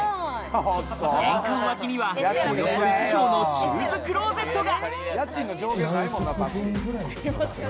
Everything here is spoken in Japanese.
玄関脇には、およそ１帖のシューズクローゼットが。